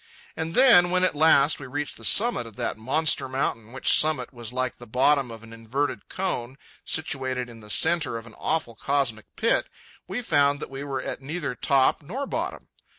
And then, when at last we reached the summit of that monster mountain, which summit was like the bottom of an inverted cone situated in the centre of an awful cosmic pit, we found that we were at neither top nor bottom.